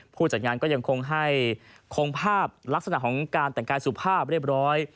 ผู้จัดงานก็ยังคงให้คงภาพลักษณะของการแต่งกายสุภาพเรียบร้อย